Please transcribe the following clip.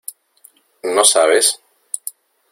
¿ no sabes?